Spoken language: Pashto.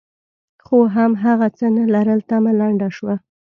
خو هغه هم څه نه لرل؛ تمه لنډه شوه.